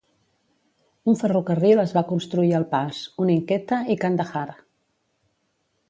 Un ferrocarril es va construir al pas, unint Quetta i Kandahar.